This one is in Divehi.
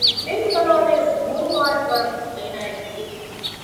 ބޭރު ބަލާލިއިރު ހޫނުވާނެ ވަރު އޭނާއަށް އެނގެ